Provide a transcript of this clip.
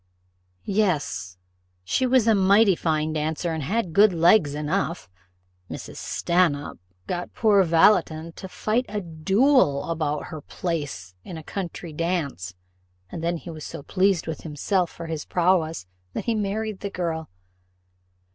"Yes: she was a mighty fine dancer, and had good legs enough: Mrs. Stanhope got poor Valleton to fight a duel about her place in a country dance, and then he was so pleased with himself for his prowess, that he married the girl."